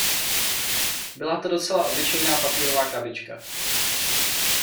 Byla to docela obyčejná papírová krabička.